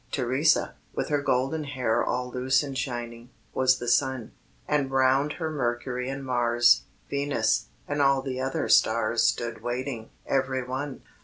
Theresa, with her golden hair All loose and shining, was the sun, And 'round her Mercury and Mars, Venus, and all the other stars Stood waiting, every one.